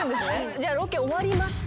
じゃあロケ終わりました。